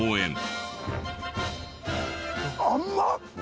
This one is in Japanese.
甘っ！